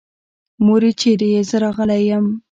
مورې چېرې يې؟ زه راغلی يم.